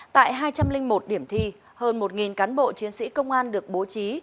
tại hai trăm linh một điểm thi hơn một cán bộ chiến sĩ công an được bố trí